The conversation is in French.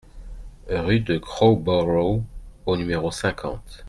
Rue de Crowborough au numéro cinquante